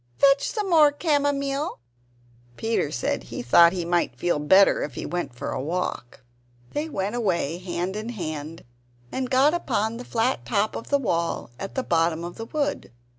fetch some more camomile!" Peter said he thought he might feel better if he went for a walk. They went away hand in hand, and got upon the flat top of the wall at the bottom of the wood.